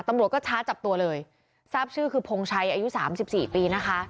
ตำรวจก็ช้าจับตัวเลยราบชื่อคือพงศรัยอายุ๓๔ปีนะคะ